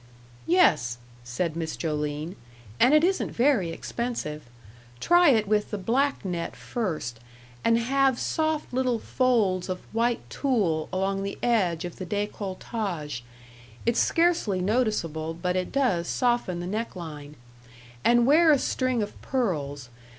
"Yes," said Miss Joline, "and it isn't very expensive. Try it with the black net first, and have soft little folds of white tulle along the edge of the décolletage it's scarcely noticeable, but it does soften the neck line. And wear a string of pearls.